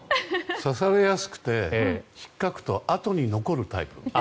刺されやすくてひっかくと痕が残るタイプ。